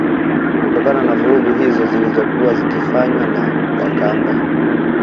Kutokana na vurugu hizo zilizokuwa zikifanywa na Wakamba